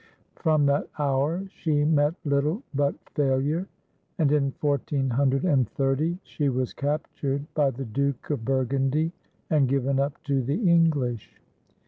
From that hour she met little but failure, and in 1430 she was captured by the Duke of Bur gundy and given up to the English.